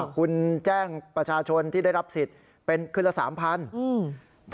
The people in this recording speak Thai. คุณแจ้งประชาชนที่ได้รับสิทธิ์เป็นคืนละ๓๐๐บาท